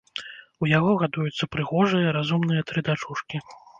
У яго гадуюцца прыгожыя, разумныя тры дачушкі.